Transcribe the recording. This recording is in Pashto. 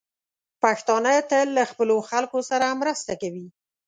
پښتانه تل له خپلو خلکو سره مرسته کوي.